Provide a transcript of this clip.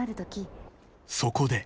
［そこで］